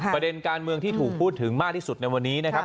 ประเด็นการเมืองที่ถูกพูดถึงมากที่สุดในวันนี้นะครับ